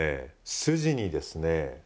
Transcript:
筋にですね